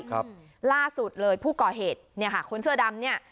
ครับล่าสุดเลยผู้ก่อเหตุเนี่ยค่ะคนเสื้อดำเนี้ย